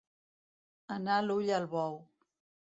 Anar l'ull al bou.